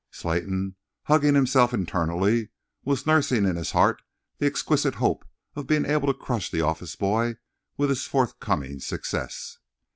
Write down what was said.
Slayton, hugging himself internally, was nursing in his heart the exquisite hope of being able to crush the office boy with his forthcoming success.